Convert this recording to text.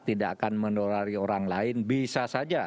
tidak akan menulari orang lain bisa saja